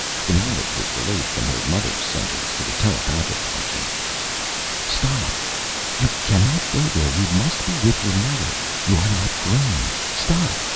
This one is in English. The knowledge was relayed from her mother centers to the telepathic functions. _Stop. You cannot go there. You must be with your mother. You are not grown. Stop.